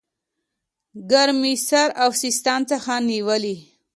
ګرمسېر او سیستان څخه نیولې.